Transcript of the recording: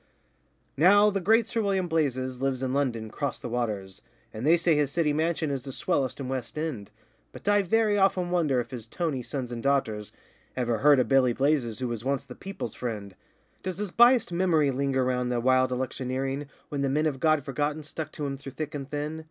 Now the great Sir William Blazes lives in London, 'cross the waters, And they say his city mansion is the swellest in West End, But I very often wonder if his toney sons and daughters Ever heard of Billy Blazes who was once the 'people's friend.' Does his biassed memory linger round that wild electioneering When the men of God Forgotten stuck to him through thick and thin?